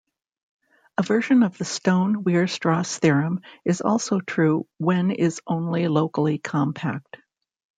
A version of the Stone-Weierstrass theorem is also true when is only locally compact.